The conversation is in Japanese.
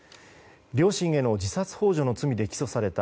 両親への自殺幇助の罪で起訴された